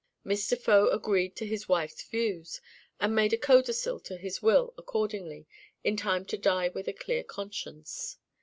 Mr. Faux agreed to his wife's views, and made a codicil to his will accordingly, in time to die with a clear conscience.